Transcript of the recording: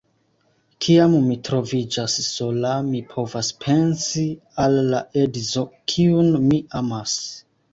Kiam mi troviĝas sola, mi povas pensi al la edzo, kiun mi amas.